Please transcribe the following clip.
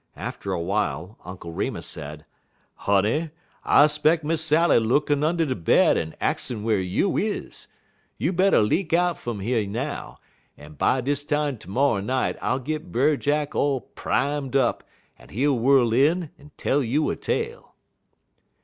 After awhile Uncle Remus said: "Honey, I 'speck Miss Sally lookin' und' de bed en axin' whar you is. You better leak out fum yer now, en by dis time termorrer night I'll git Brer Jack all primed up, en he'll whirl in en tell you a tale."